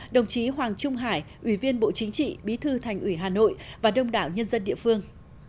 đồng chí hoàng trung hải ủy viên bộ chính trị bí thư thành ủy hà nội và đông đảo nhân dân địa phương